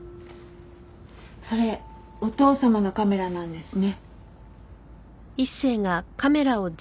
それお父様のカメラなんですね。